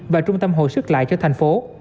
và trung tâm hồi sức lại cho thành phố